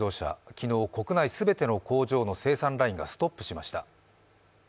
昨日、国内全ての工場の生産ラインがストップしました。